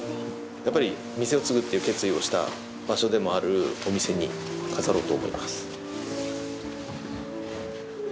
やっぱり店を継ぐっていう決意をした場所でもあるお店に飾ろうと思います。